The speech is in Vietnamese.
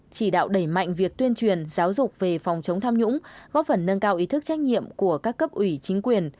chỉ đạo đẩy mạnh việc tuyên truyền giáo dục về phòng chống tham nhũng góp phần nâng cao ý thức trách nhiệm của các cấp ủy chính quyền